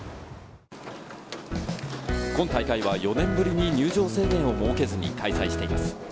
今大会は４年ぶりに入場制限を設けずに開催しています。